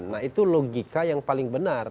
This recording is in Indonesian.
nah itu logika yang paling benar